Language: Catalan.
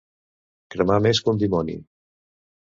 Cremar més que un dimoni.